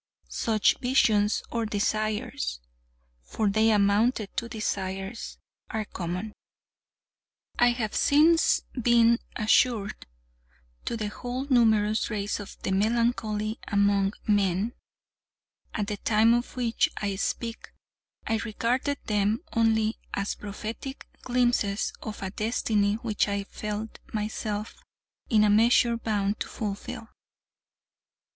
Such visions or desires—for they amounted to desires—are common, I have since been assured, to the whole numerous race of the melancholy among men—at the time of which I speak I regarded them only as prophetic glimpses of a destiny which I felt myself in a measure bound to fulfil.